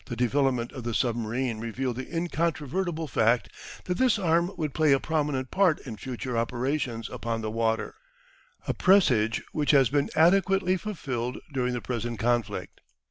The development of the submarine revealed the incontrovertible fact that this arm would play a prominent part in future operations upon the water: a presage which has been adequately fulfilled during the present conflict.